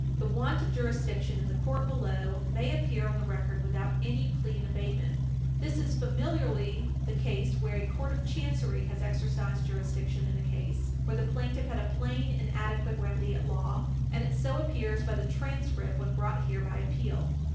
The want of jurisdiction in the court below may appear on the record without any plea in abatement. This is familiarly the case where a court of chancery has exercised jurisdiction in a case where the plaintiff had a plain and adequate remedy at law, and it so appears by the transcript when brought here by appeal.